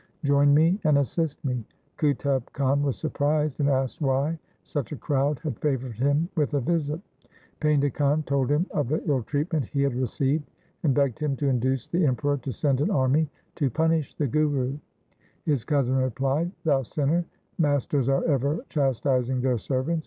Join me and assist me.' Qutub Khan was surprised, and asked why such a crowd had favoured him with a visit. Painda Khan told him of the ill treatment he had received, and begged him to induce the Emperor to send an army to punish the Guru. His cousin replied, ' Thou sinner, masters are ever chastising their servants.